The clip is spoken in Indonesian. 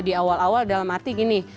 di awal awal dalam arti gini